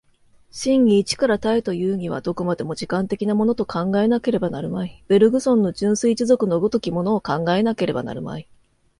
真に一から多へというには、どこまでも時間的なものと考えなければなるまい、ベルグソンの純粋持続の如きものを考えなければなるまい。